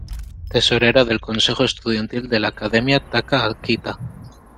Tesorera del consejo estudiantil de la Academia Taka-Akita.